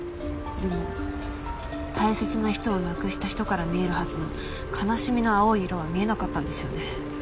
でも大切な人を亡くした人から見えるはずの「悲しみ」の青い色は見えなかったんですよね。